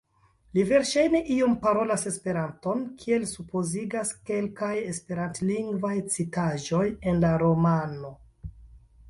Li verŝajne iom parolas Esperanton, kiel supozigas kelkaj esperantlingvaj citaĵoj en la romano.